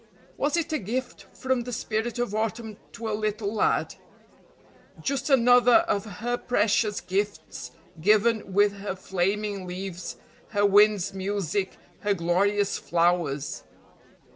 Was it a gift from the Spirit of Autumn to a little lad? Just another of her precious gifts given with her flaming leaves, her wind's music, her glorious flowers.